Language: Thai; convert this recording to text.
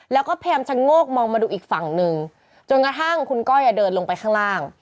แล้วก็พยายามชะโงกมองมาดูอีกฝั่งหนึ่งจนกระทั่งคุณก้อยเดินลงไปข้างล่าง